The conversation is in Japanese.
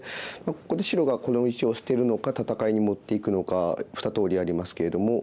ここで白がこの石を捨てるのか戦いに持っていくのか２通りありますけれども。